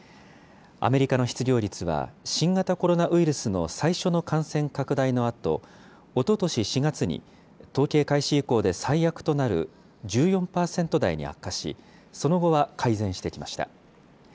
アメリカの失業率は新型コロナウイルスの最初の感染拡大のあと、おととし４月に統計開始以降で最悪となる１４％台に悪化し、その後は改善してきました。